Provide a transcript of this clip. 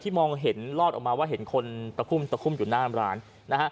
ที่มองเห็นรอดออกมาว่าเห็นคนสะคุมอยู่หน้าร้าน